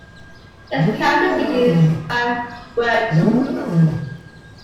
Its county seat is Van Wert.